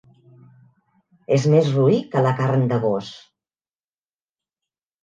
És més roí que la carn de gos.